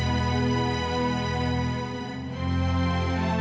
terima kasih taufan